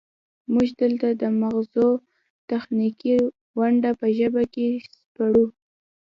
موږ دلته د مغزو تخنیکي ونډه په ژبه کې سپړو